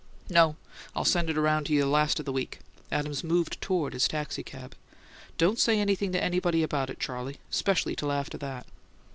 "No; I'll send it around to you last of the week." Adams moved toward his taxicab. "Don't say anything to anybody about it, Charley, especially till after that."